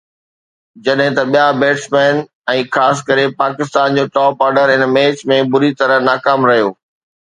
جڏهن ته ٻيا بيٽسمين ۽ خاص ڪري پاڪستان جو ٽاپ آرڊر ان ميچ ۾ بُري طرح ناڪام رهيو.